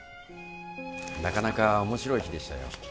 なかなか面白い日でしたよ。